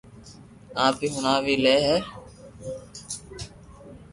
آپ ھي ھڻاو وي لي ھي